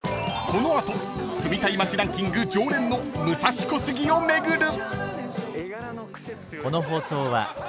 ［この後住みたい街ランキング常連の武蔵小杉を巡る］